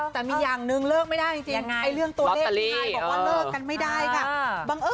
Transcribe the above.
แต่มีอย่างหนึ่งเลิกไม่ได้จริงเรื่องตัวเลขผู้ชายบอกว่าเลิกกันไม่ได้ค่ะ